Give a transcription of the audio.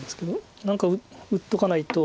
何か打っとかないと。